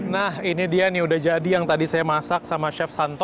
nah ini dia nih udah jadi yang tadi saya masak sama chef santo